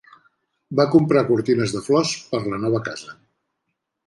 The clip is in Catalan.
Va comprar cortines de flors per la nova casa.